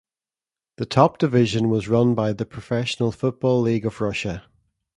The Top Division was run by the Professional Football League of Russia.